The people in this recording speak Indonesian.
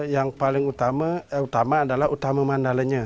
yang paling utama adalah utama mandalanya